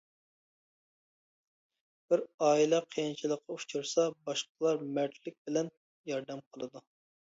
بىر ئائىلە قىيىنچىلىققا ئۇچرىسا، باشقىلار مەردلىك بىلەن ياردەم قىلىدۇ.